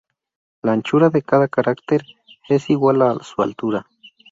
La anchura de cada carácter es igual a su altura.